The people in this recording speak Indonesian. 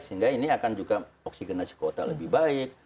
sehingga ini akan juga oksigenasi ke otak lebih baik